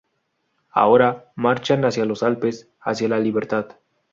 Ahora, marchan hacia los Alpes, hacia la libertad.